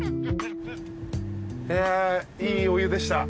いいお湯でした。